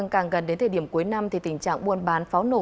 càng gần đến thời điểm cuối năm thì tình trạng buôn bán pháo nổ